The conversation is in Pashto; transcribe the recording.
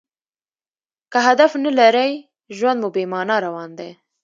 که هدف نه لرى؛ ژوند مو بې مانا روان دئ.